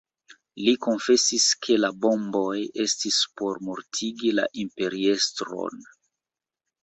Li konfesis, ke la bomboj estis por mortigi la imperiestron.